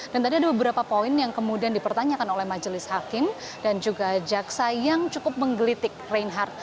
dan tadi ada beberapa poin yang kemudian dipertanyakan oleh majelis hakim dan juga jaksa yang cukup menggelitik renhar